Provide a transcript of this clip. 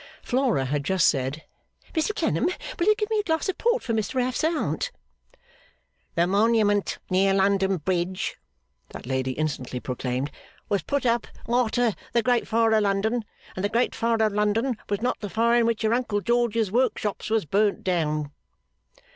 Flora had just said, 'Mr Clennam, will you give me a glass of port for Mr F.'s Aunt?' 'The Monument near London Bridge,' that lady instantly proclaimed, 'was put up arter the Great Fire of London; and the Great Fire of London was not the fire in which your uncle George's workshops was burned down.